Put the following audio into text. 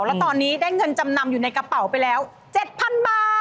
แล้วตอนนี้ได้เงินจำนำอยู่ในกระเป๋าไปแล้ว๗๐๐๐บาท